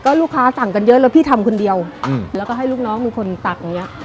ลูกค้าสั่งกันเยอะแล้วพี่ทำคนเดียวแล้วก็ให้ลูกน้องเป็นคนตักอย่างเงี้